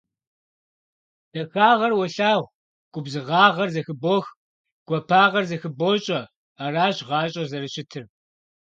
Дахагъэр уолъагъу, губзыгъагъэр зэхыбох, гуапагъэр зэхыбощӏэ. Аращ гъащӏэр зэрыщытыр.